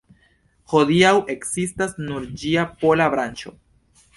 Hodiaŭ ekzistas nur ĝia pola branĉo.